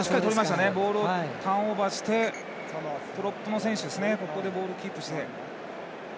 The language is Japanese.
ボールをターンオーバーしてプロップの選手がここでボールキープして。